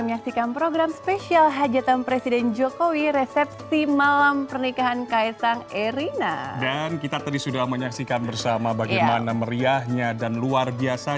resepsi malam pernikahan kaisang erina akan kembali usai jeda bersama rekan kami taufik iman syah dan juga astrid fiar